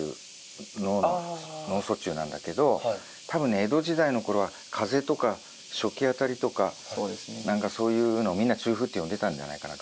脳の脳卒中なんだけど多分ね江戸時代の頃は風邪とか暑気あたりとか何かそういうのをみんな中風って呼んでたんじゃないかなと。